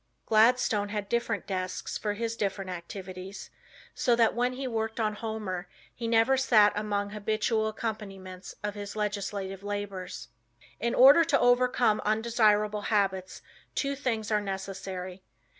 Gladstone had different desks for his different activities, so that when he worked on Homer he never sat among habitual accompaniments of his legislative labors." In order to overcome undesirable habits, two things are necessary.